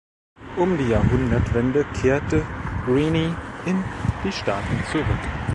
Um die Jahrhundertwende kehrte Greene in die Staaten zurück.